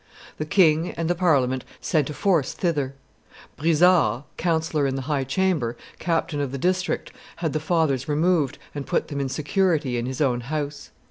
The king and the Parliament sent a force thither; Brizard, councillor in the high chamber, captain of the district, had the fathers removed, and put them in security in his own house.